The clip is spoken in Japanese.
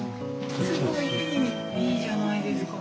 いいじゃないですか。